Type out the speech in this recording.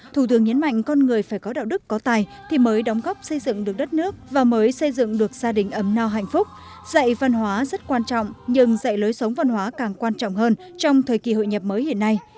thủ tướng nhấn mạnh con người phải có đạo đức có tài thì mới đóng góp xây dựng được đất nước và mới xây dựng được gia đình ấm no hạnh phúc dạy văn hóa rất quan trọng nhưng dạy lối sống văn hóa càng quan trọng hơn trong thời kỳ hội nhập mới hiện nay